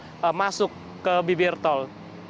untuk masuk ke bibir tol